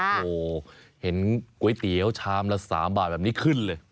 โอ้โหเห็นก๋วยเตี๋ยวชามละ๓บาทแบบนี้ขึ้นเลย